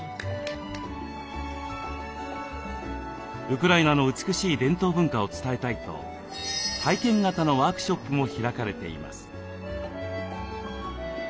ウクライナの美しい伝統文化を伝えたいと体験型のワークショップも開かれています。